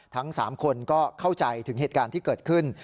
ทั้ง๓คนก็เข้าใจถึงเหตุการณ์ที่เกิดขึ้น